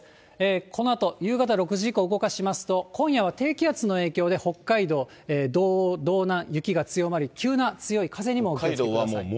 このあと夕方６時以降、動かしますと、今夜は低気圧の影響で、北海道、道央、道南、雪が強まり、急な強い風にも気をつけてください。